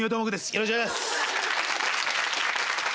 よろしくお願いします！